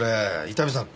伊丹さん